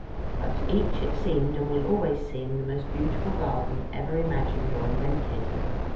But to each it seemed and will always seem the most beautiful garden ever imagined or invented.